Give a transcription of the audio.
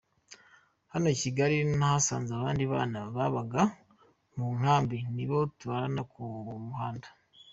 Hano Kigali nahasanze abandi bana babaga mu nkambi nibo turarana ku muhanda.